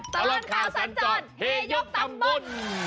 ตลอดข่าวสัญจรเฮยกตำบล